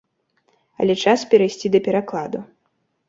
Але час перайсці да перакладу.